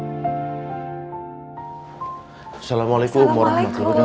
assalamualaikum warahmatullahi wabarakatuh